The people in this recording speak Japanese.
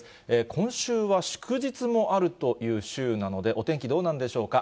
今週は祝日もあるという週なので、お天気どうなんでしょうか。